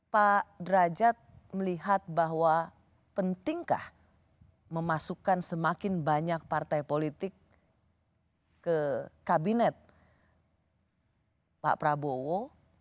pak derajat melihat bahwa pentingkah memasukkan semakin banyak partai politik ke kabinet pak prabowo